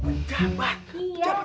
pejabat pejabat peneran